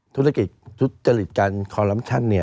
ธุรกิจทุจริตการคอลลัมชัน